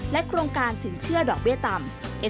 โครงการสินเชื่อดอกเบี้ยต่ำ